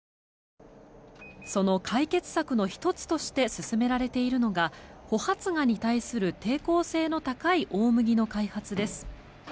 その解決策の１つとして進められているのが穂発芽に対する抵抗性の高い大麦の開発です。